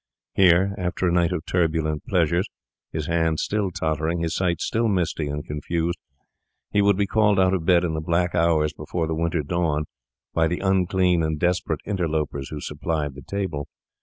Here, after a night of turbulent pleasures, his hand still tottering, his sight still misty and confused, he would be called out of bed in the black hours before the winter dawn by the unclean and desperate interlopers who supplied the table.